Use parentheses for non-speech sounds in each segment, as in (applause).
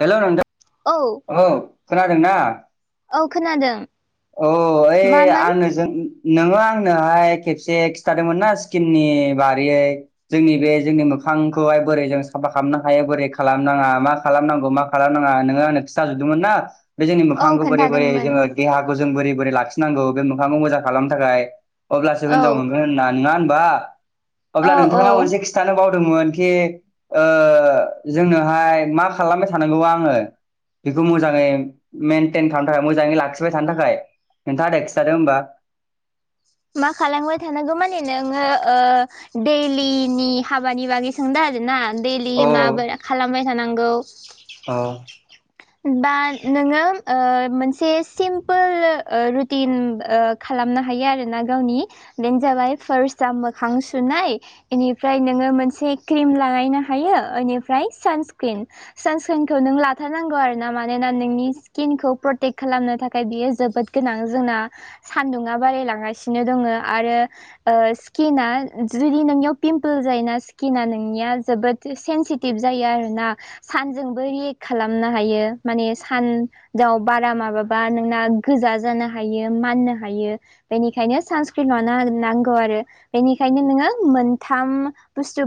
Hello नोंथां औ औ खोनादोंना? औ खोनादों अ ए मामोन आं नोंजों नोङो आंनोहाय खेबसे खिन्थादोंमोन ना स्किननि बारैयै जोंनि बे जोंनि मो खांखौहाय बोरै जों साफा खालामनो हायो बोरै खालामनाङा मा खालामनांगौ मा खालामनाङा नोङो आंनो खिथा जुबदोंमोन ना। बे जोंनि औ मोखांखौ बोरै बोरै खोन्थादोंमोन जोङो देहाखौ जों बोरै बोरै लाखिनांगौ बे मोखांखौ मोजां खालामनो थाखाय अब्लासो औ हिनजाव मोनगोन होनना नोङा होमबा? औ अब्ला औ नोंथाङा मोनसे खिन्थानो बाव मोनकि ओह जोंओहाय मा खालामबाय थानांगौ आङो? बेखौ मोजाङै मेनटेन खालामनो थाखाय मोजाङै लाखिबाय थानो थाखाय खोन्था दे खिथादो होमबा। मा खालांमबाय थानांगौ माने नोङो ओह दैलिनि हाबानि बागै सोंदों आरो ना। दैलि औ माबोला खालामबाय थानांगौ औ बा नोङो ओह मोनसे सिमपोल ओह रुटिन खाला खालामनो हायो आरोना गावनि बेनो जाबाय फार्सयाव मोखां सुनाय इनिफ्राय नोङो मोनसे क्रिम लागायनो हायो ओनिफ्राय सानस्क्रिम सानस्क्रिमखौ नों लाथारनांगौ आरो ा मानोना नोंनि स्किनखौ प्रटेक्ट खालामनो थाखाय बियो जोबोद गोनां जोंना सान्दुंङा बारायलांगासिनो दङो आरो ओह स्किना जुदि नोंनियाव पिम्पोल जोयोना किना नोंनिया जोबोद सेनसिटिभ जायो आरो ना सान्जोंबो रियेक्ट खालामनो हायो माने सानदाव बारा माबाबा नोंना गोजा जानो हायो माननो हायो बेनिखायनो सानस्क्रिम ल नांगौ आरो बेनिखायनो नोङो मोनथाम बुस्थु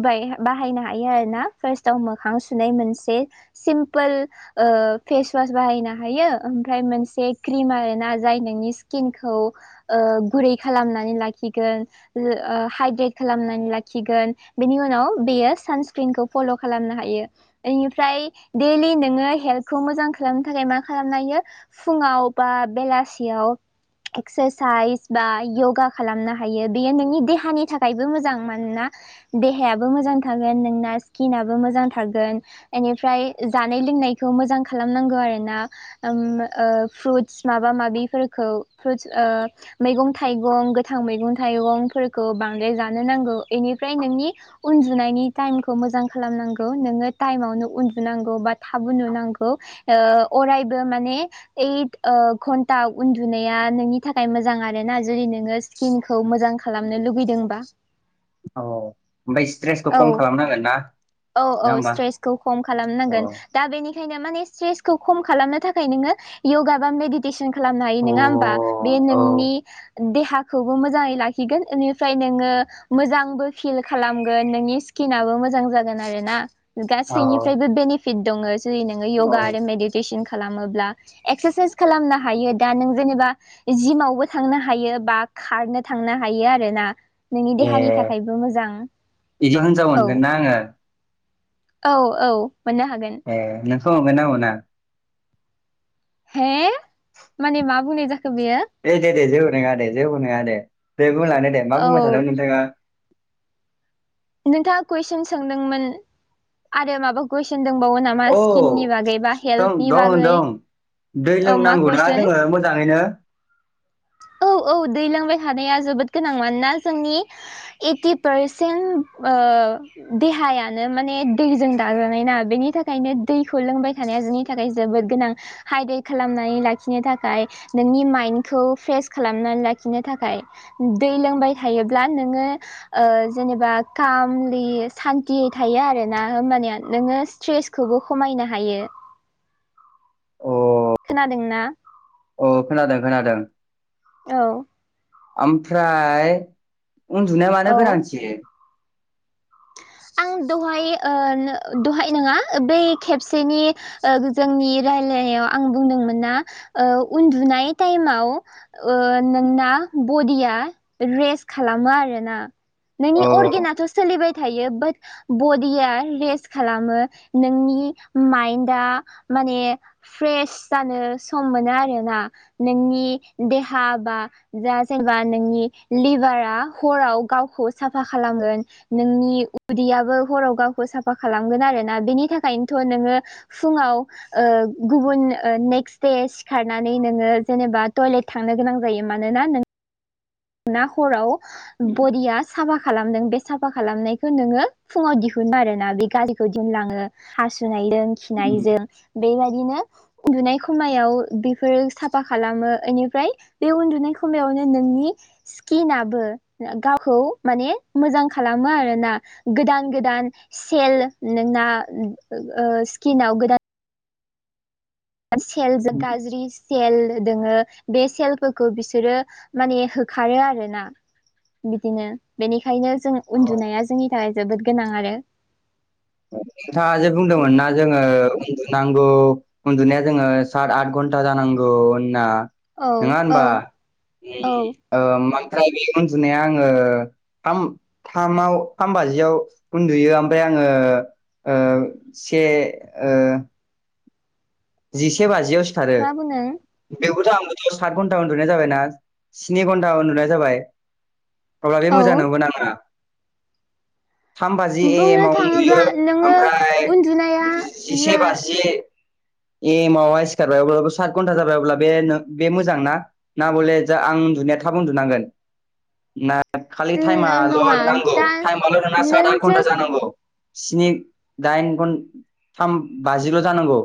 बाहायनो हायो आरोना फार्स्टआव मोखां सुनाय मोनसे सिमपोल ओह फेसवास बाहायनो हायो ओमफ्राय मोनसे क्रिम आरो ना जाय नोंनि स्किनखौ ओह गुरै खालामनानै लाखिगोन ओ ह हाइद्रेट खालामनानै लाखिगोन बेनि उनाव 'औ बेयो सानस्क्रिमखौ पल खालामनो हायो इनिफ्राय दैलि नोङो हेल खौ मोजां खालामनो थाखाय मा खालामनो हायो फुङाव बा बेलासियाव एक्सारसाइस बा य'गा खालामनो हायो बेयो नोंनि देहानि थाखायबो मोजां मानोना देहायाबो मोजां थागोन नोंना स्किनाबो मोजां थागोन एनिफ्राय जानाय लो फुनायखौ मोजां खालामनांगौ आरो ना ओम ओ फ्रुट्स माबा माबिफोरखौ फ्रुटस ओह मैगं थाइगं गोथां मैगं थाइगंफोरखौ बांद्राय जानो नांगौ एनिफ्राय नोंनि उन्दुनायनि टाइमखौ मोजां खालामनांगौ नोङो टाइमावनो उन्दुनांगौ बा थाब उन्दुनांग औ ओह अरायबो माने ऐट ओह घन्टा उन्दुनाया नोंनि थाखाय मो मोजां आरो ना जुदि नोङो स्किनखौ मोजां खालामनो लुबैदोंबा औ ओमफ्राय स्ट्रेसखौ खम खालामनांगोन ना औ नङा औ होमबा स्ट्रेसखौ खम अ खालामनांगोन दा बेनि नो मय स्ट्रेसखौ खम खालामनो थाखाय नोङो यगा बा मेडीटेसन खालामनाय अ नोङा होमबा बे औ नोंनि देहाखौबो मोजाङै लाखिगोन ओनिफ्राय नोङो मोजांबो फिल खाइ खालामगोन नोंनि स्किनाबो मोजां जागोन आरो ना औ गासैनिफ्रायबो बेनिफिट दङ जि नोङो औ यगा आरो मेडिटेसन खालामोब्ला एक्सारसाइस खालामनो हायो दा नों जेनेबा जिमावबो थांनो हायो बा खारनो थांनो हायो आरो ना नोंनि ए देहानि थाखायबो मोजां बिदि हिनजाव औ मोनगोन ना आङो औ औ मोननो हागोन (unintelligible) हे माने मा बुंनाय जाखो बेयो ए दे दे जेबो नोङा दे जेबो नङा दे दे बुंलांदो दे मा बुंबाय थादों औ नोंथाङा नोंथाङा कुइसन सोंदोंमोन आरो माबा कुइसन होनदोंबावो नामा औ स्किननि बागै बा दं हेल्थनि दं बागै दं दै औ मा लोंनांगौना कुइसन जोङो मोजाङैनो (inaudible) औ औ दै लोंबाय थानायानाया जोबोद गोनां मानोना जोंनि इटि पारसेन्ट देहायानो माने दैजों दाजानाय ना बेनि थाखायनो दैखौ लोंबाय थानाया जोंनि थाखाय थाखाय जोबोद गोनां हाइदे खालामनानै लाखिनो थाखाय नोंनि माइन्डखौ फ्रेस खालामनानै लाखिनो थाखाय दै लोंबाय थायोब्ला नोङो ओ जेनेबा खामलि सान्थियै थायो आरोना होबानेया नोङो स्ट्रेसखौबो खमायनो हायो द (inaudible) (inaudible) खोनादोंना औ खोनादों खोनादों औ ओमफ्राय उन्दुनाया मानो औ गोनांथि? (inaudible) आं दहाय ओ दहाय नङा बै खेबसेनि जोंनि आं बुंदोंमोन ओ उन्दुनाय टाइमाव ओ नोंना बडिया रेस खालामो आरोना अ नोंनि अर्गेनाथ सोलिबाय बाड बडिया रेस खालामो नोंनि माइन्दआ माने फ्रेस जानो सम मोनो आरोना नोंनि देहा बा जा जेनेबा नोंनि लिभारा हराव गावखौ साफा खालामगोन नोंनि उदैयाबो हराव गावखौ साफा खालामगोन आरो ना बेनि थाखायनोथ नोङो फुङाव ओ गुबुन नेक्स्ट दे सिखारनानै नोङो जेनेबा टयलेट थांनो गोनां जायो । यो मानोना नों ना हराव बडिया साफा खालामदों बे साफा खालामनायखौ नोङो फुङाव दिहुन आरोना बे गाज्रिखौ दिनलाङो हासुनायजों खिनायजों बेबायदिनो उन्दुनाय खमायाव बेफोरो साफा खालामो बेनिफ्राय बे उन्दुनाय खमायावनो नोंनि (inaudible) स्किनाबो गावखौ माने मोजां खालामो आरो ना गोदान गोदान सेल नोंना ओ स्किनाव गोदान आरो सेलजों गाज्रि सेल दोङो बे सेलफोरखौ बिसोरो माने होखारो आरो ना बिदिनो बेनिखायनो जों उन्दुनाया जोंनि थाखाय जोबोद गोनां आरो। औ। नोंथाङा जे बुंदोंमोन ना जोङो उन्दुनांगौ उन्दुनाया जोङो सात आथ घन्टा जानांगौ । औ होनना औ नङा औ होनबा औ उम ओ बे ओनदुनाया आङो थाम थामाव थाम बाजियाव उन्दुयो ओमफ्राय आङो ओ से ओ जिसे बाजियाव सिखारो मा बुंदों बेखौथ आं सात घन्टा उन्दुनाय जाबायना स्नि घन्टा उन्दुनाय जाबाय । अब्ला बे औ मोजां नंगौना नङा? थाम बाजि ए एम बुंनो आव थाङोब्ला उन्दुयो नोङो ओमफ्राय उन्दुनाया जिसे बाजि एमवहाय सिखारबाय अब्ला सात घन्टा जाबाय अब्ला बे बे मोजां ना ना बले जा आं थाब उन्दुनांगोन ना खालि थाइमाल नङा नांगौ दा थाइमाल नोंना साद नों आद घन्टा जास्ट जानांगौ? स्नि दाइन घन थाम बाजिल जानांगौ?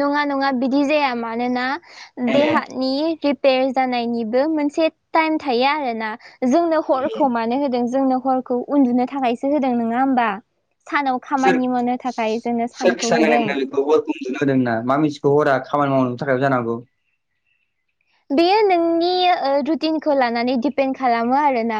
नङा नङा बिदि जाया मानोना ए देहानि जानायनिबो मोनसे थाइम थायो आरोना जोंनो हरखौ मानो होदों जोंनो हरखौ उन्दुनो थाखायसो होदों नोंङा होमबा? सानाव सोर खामानि मावनो थाखाय जोंनो सोर सानखौ खिसा होनो होदों। नोंखौ वेलकाम बुनो होदोंना मा मिथिखौ हरा खामानि मावनो थाखायबो जानांगौ। बेयो नोंनि रुतिनखौ लानानै दिपेन खालामो आरोना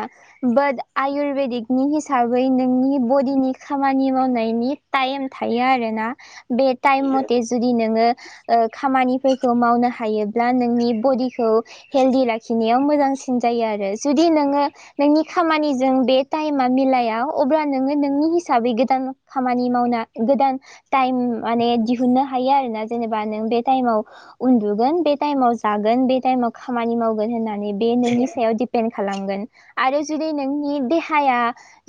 बाट आयुरवेदिक नि हिसाबै नोंनि बडिनि खामानि मावनायनि टाइम थायो आरो ना बे बे टाइम मथे जुदि नोङो ओ खामानिफोरखौ मावनो हायोब्ला नोंनि बडिखौ हेल्डि लाखिनायाव मोजांसिन जायो आरो जुदि नोङो नोंनि खामानिजों बे टाइमा मिलाया अब्ला नोङो नोंनि हिसाबै गोदान खामानि मावना गोदान‌ टाइ म माने दिहुन्नो हायो आरोना जेनेबा नों बे टाइमाव उनदुगोन‌ बे टाइमाव सि खारगोन बे टाइमाव खामानि मावगोन होननानै बे नोंनि सायाव दिपेन खालामगोन आरो जुदि नों नि देहाया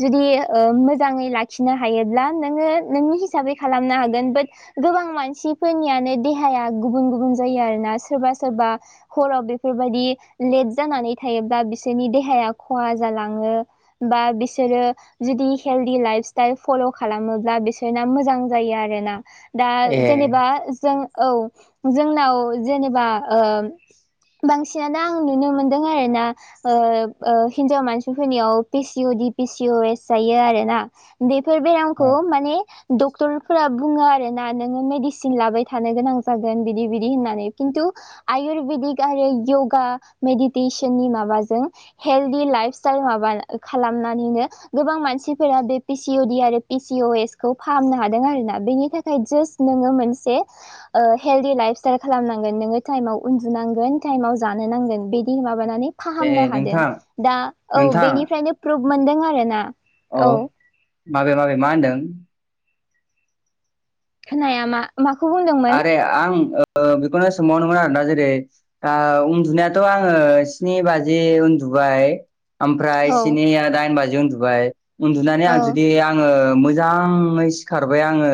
जुदि ओ मोजाङै लाखिनो हायोब्ला नोङो नोंनि हिसाबै खालाम नो हागोन बात गोबां मानसिफोरनियानो देहाया गुबुन गुबन जायो आरोना सोरबा सोरबा हराव बेफोरबायदि लेट जानानै थायोब्ला बिसोरनि देहाया खहा जालां ओ बा बिसोरो जुदि हेलडि लाइफ सिटाइल फल' खालामोब्ला बिसोरना मोजां जायो आरोना दा ए जेनेबा जों औ जोंनाव जेनेबा ओ बांसिनानो आं नुनो मोनदों आरो ना ओ ओ हिनजाव मानसिफोरनियाव पिसिअ दि पि सि अ एस जायो आरो ना बेफोर बेरामखौ माने डक्टर फोर बुङो आरो ना नोङो मेडिसिन लाबाय थानो गोनां जागोन बिदि बिदि होननानै खिन्थु आयुरवेदिक आरो यगा मेडिटेसन नि माबाजों हेल्दि लाइफ स्टाइल माबा बा खालामनानैनो गोबां मानसिफोरा बे पिसिअ दि आरो पिसिअ एस खौ फाहामनो हादों। आरोना बेनि थाखाय जास्ट नोङो मोनसे ओ हेलडि लाइफ सिताइल खालामनांगोन नोङो टाइमाव उन्दुनांगोन टाइमाव जानो नांगोन बे माबानानै ए फाहामनो हादों नोंथां दा औ नोंथां बेनिफ्रायनो प्रुभ मोनदों आरो ना अ । औ। माबे माबे मा होनदों? खोनाया मा? माखौ बुंदोंमोन आरे आं ओ ओ बेखौनो सोंबावनोमोन आरोना जेरै उन्दुनायाथ' आङो स्नि बाजि उन्दु उन्दुबाय ओमफ्राय औ स्निया दाइन बाजि उन्दुबाय उन्दुनानै औ आं जुदि आङो मोजाङै सिखारबाय आङो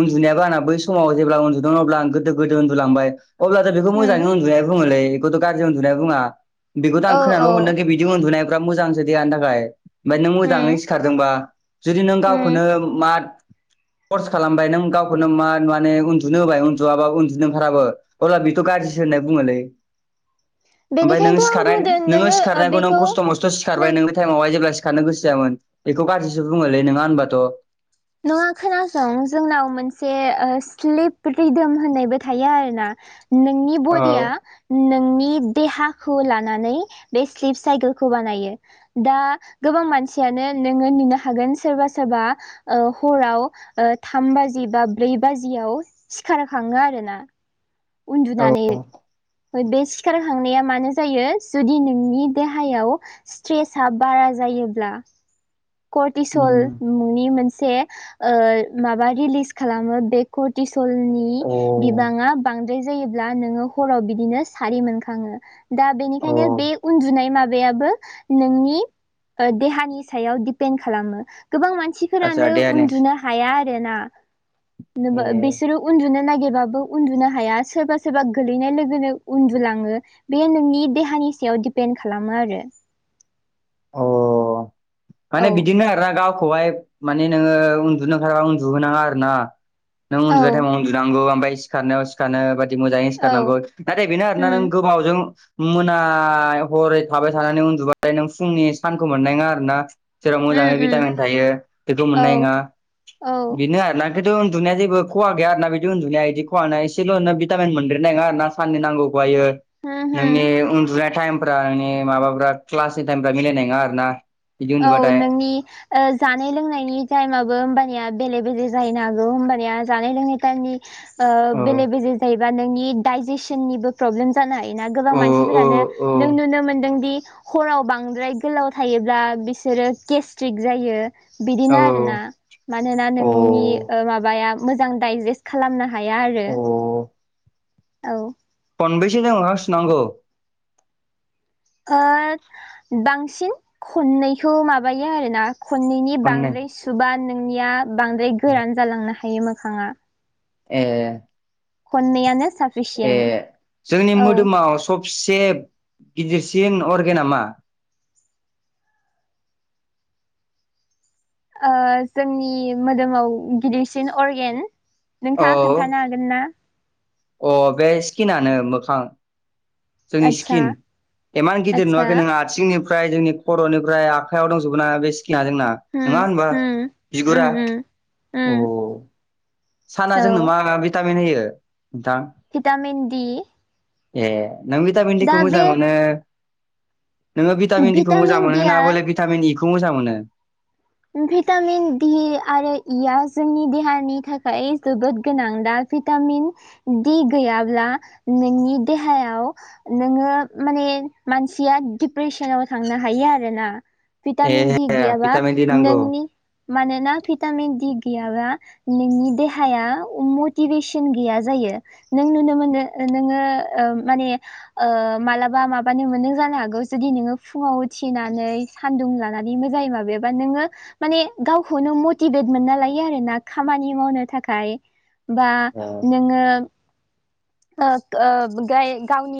उन्दुनायाबो आना बै समाव जेब्ला उन्दुदों अब्ला आं गोदो गोदो उन्दुलांबाय अब्ला जों बेखौ होम मोजाङै उन्दुनाय बुङोलै। खौथ' गाज्रि उन्दुनाय बुङा बेखौथ' आं औ औ खोनानोबो मोनदों दि बिदि उन्दुनाय फोरा मोजांसो देहानि थाखाय ओमफ्राय नों मोजाङै होम सिखारदोंबा जुदि नों गावखौनो होम मा कर्स खालामबाय नों गावखौनो मा माने उन्दुनो होबाय उन्दुआबाबो उन्दुनो ओंखाराबो अब्ला बेथ' गाज्रिसो होनना बुङोलै। ओमफ्राय नों बेनिखायनोथ' आं सिखारनाय बुंदों नोङो ओ सिखारनायखौ नों बेखौ खस्थ' मस्थ' खोनासं सिखारबाय नों बे टाइमावहाय जेब्ला सि खारनो गोसो जायामोन बेखौ गाज्रिसो बुङोलै नङा होनबाथ'। नङा खोनासं जोंनाव मोनसे ओ स्लिप रिदोम होननायबो थायो आरोना। नोंनि बडिया औ नोंनि देहा खौ लानानै बे स्लिप साइकेलखौ बानायो दा गोबां मानसियानो नोङो नेनो हागोन सोरबा सोरबा ओ हराव ओ थाम बाजि बा ब्रै बाजियाव सिखार खाङो आरो ना। उनदुनानै बे सिखारखांनाया मानो जायो जुदि नोंनि देहायाव स्ट्रेसा बारा जायो। योब्ला करतिसल उम मुंनि मोनसे ओ माबा रिलिज खालामो बे करटिस सलनि अ बिबाङा बांद्राय जायोब्ला नोङो हराव बिदिनो सारि मोनखाङो। दा बेनिखायनो बे अ उन्दुनाय माबायाबो नोंनिओ देहानि सायाव दि पेन खालामो गोबां आतसा मानसिफोरानो देनेस उन्दुनो हाया आरो ना। ए बिसोरो उन्दुनो नागेरबाबो उन्दुनो हाया सोरबा सोरबा गोलैनाय लोगोनो उन्दुलाङो बे नोंनि देहानि नि सायाव दिडपेन्दड खालामो आरो अ औ माने बिदिनो आर ना गावखौहाय माने नोङो उन्दुनो ओखारबा उन्दुहोनाङा आरो ना? नों औ उन्दुबाय टाइमाव उन्दुनांगौ ओमफ्राय सिखारनायाव सिखारनो मोजाङै औ सिखारारनांगौ नाथाय बेनो आरोना उम नों गोमावजों मोना हरै थाबाय थानानै उन्दुबाय नों फुंनि सानखौ मोननाय नङा आरो ना? जेराव उम मोजाङै उम भिटामिन थायो बेखौ औ मोननाय नङा औ बेनो आरोना। दाथथ' उन्दुनाया जेबो खहा गैया आरा बिदि उन्दुनाय बिदि खवानाया एसे' नो भिामिन मोनदेरनाय नङ आरोना साननि नांगौ। (unintelligible) होम होम नोंनि उन्दुनाय थायेम नोंनि माबाफ्रा क्लासनि टाइमफ्रा मिलायनाय नङा आरो ना? औ नोंनि ओ जानाय लोंनायनि टाइमाबो ओबाद या बेले बेजे जाहैनो हागौ होमबानिया जानाय लोंनाय टायेमनि ओ औ बेले बेजे जायो बा नोंनि दडाइजेसननिबो प्रब्लेम जानो हायोना गोबां औ मानसिफोरानो औ नों नुनो मोनदों दि हराव बांद्राय गोलाव थायोब्ला बिसोरो गेस्ट्रिक जायो। औ बिदिनो आरोना मानोना औ नोंनि ओ माबाया मोजां डाइजेस्ट खालामना हाया आरो अ औ। खनबेसे टाइम मोखां सुनांगौ? बांसिन खननैखौ माबायो आरोना खननैनि खननै बांद्राय सुबा नोंनिया बांद्राय गोरान जालांनो हायो मोखाङा। ए खनैयानो ए जोंनि मोदोमाव सबसे गिदिरसिन अर्गेना मा? जोंनि मोदोमाव गिदिरसिन अरगेन औ नोंथाङा खोन्थानो हागोन ना? अ बे स्किनानो मोखां। जोंनि आदसा स्किन इमान गिदिर आदसा नुवाखै नोङो आथिंनि फ्राय जोंनि खर'निफ्राय आखायाव दंजोबो ना बे सि किना जोंना उम नङा होनबा उम उम बिगुरा उम उम अ। साना औ जोंनो मा मा भिटामिन होयो? नोंथां भिटामिन दि। ए नों भगटामिन डिखौ मोजां मोनो। नोङो भिटामिन डि खौ मोजां मोनो होना बले भिटामिन इ खौ मोजां मोनो? भिटामिन डि आरो इया जोंनि देहानि थाखाय जोबोद गोनां दा भिटामिन दि गैयाब्ला नोंनि देहायाव नोङो माने मानसिया दिप्रेसनाव थां नो हायो आरो ना। ए भिटामिन दि गैयाबा भिटामिन दि नांगौ नोंनि मानोना भिटामिन दि गैयाबा नोंनि देहाया मटिभेसन गैया जायो नों नुनो मोनो ओ नोङो ओ माने ओ मालाबा माबानो मोनदों जानो हगौ जुदि फुाङाव उथि नानै सानदुं लानानै मोजाङै माबा बा नोङो माने गावखौनो मटिभेट मोनना लायो आरो ना खामानि मावनो थाखाय। बा नोङो ग ग गाय गावनि